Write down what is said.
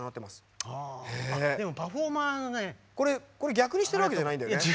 逆にしてるわけじゃないんだよね。